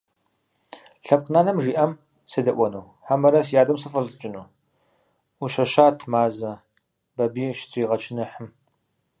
Лъэпкъ нанэм жиӀам седэӀуэну хьэмэрэ си адэм сыфӀэлӀыкӀыну?! – Ӏущэщат Мазэ, Бабий щытригъэчыныхьым.